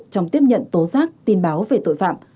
trong tiếp nhận tối giá tình báo về tội phạm